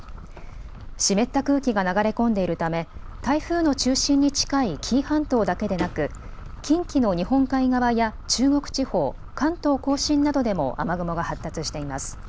湿った空気が流れ込んでいるため台風の中心に近い紀伊半島だけでなく近畿の日本海側や中国地方、関東甲信などでも雨雲が発達しています。